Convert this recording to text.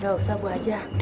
gak usah bu haja